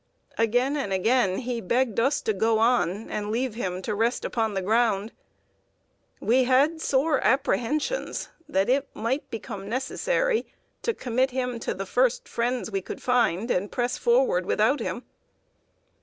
Again and again he begged us to go on, and leave him to rest upon the ground. We had sore apprehensions that it might become necessary to commit him to the first friends we found, and press forward without him.